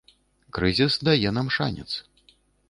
Крызіс дае нам шанец.